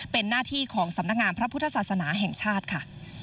เป็นหน้าที่ของสำนักงานพระพุทธศาสนาแห่งชาติค่ะ